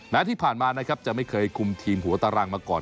ที่ผ่านมานะครับจะไม่เคยคุมทีมหัวตารางมาก่อน